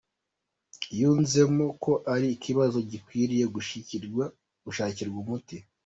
Yunzemo ko ari ikibazo gikwiriye gushakirwa umuti.